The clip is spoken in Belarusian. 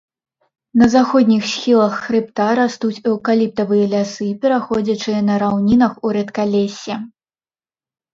На заходніх схілах хрыбта растуць эўкаліптавыя лясы, пераходзячыя на раўнінах у рэдкалессе.